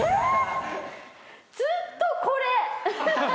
ずっとこれ。